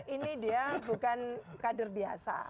ini dia bukan kader biasa